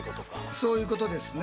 そういうことですね。